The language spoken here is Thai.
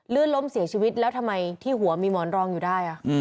ล้มเสียชีวิตแล้วทำไมที่หัวมีหมอนรองอยู่ได้